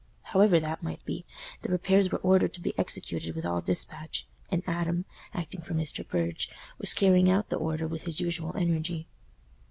However that might be, the repairs were ordered to be executed with all dispatch, and Adam, acting for Mr. Burge, was carrying out the order with his usual energy.